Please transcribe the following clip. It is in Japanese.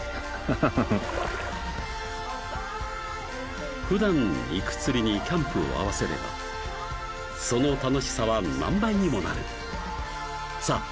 ハハハハふだん行く釣りにキャンプを合わせればその楽しさは何倍にもなるさぁ